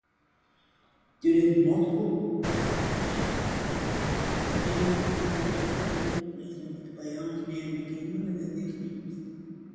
Due to his multiple joint replacements, "The Bionic Man" became one of his nicknames.